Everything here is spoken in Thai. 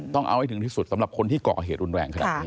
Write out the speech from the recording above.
ต้องเอาให้ถึงที่สุดสำหรับคนที่ก่อเหตุรุนแรงขนาดนี้